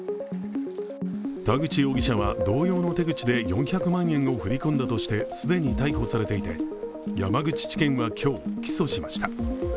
田口容疑者は、同様の手口で４００万円を振り込んだとして既に逮捕されていて山口地検は今日、起訴しました。